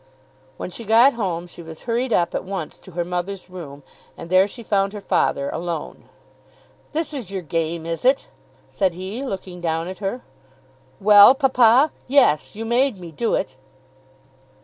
When she got home she was hurried up at once to her mother's room, and there she found her father, alone. "This is your game, is it?" said he, looking down at her. "Well, papa; yes. You made me do it."